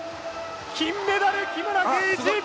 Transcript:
金メダル、木村敬一！